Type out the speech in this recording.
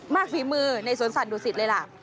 มากมีมือในสวนสัตว์ดูสิทธิ์เลยล่ะ